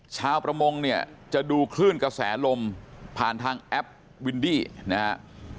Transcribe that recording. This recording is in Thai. ชาวประมงเนี่ยจะดูคลื่นกระแสลมผ่านทางแอปวินดี้นะฮะ